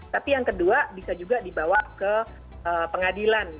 tapi yang kedua bisa juga dibawa ke pengadilan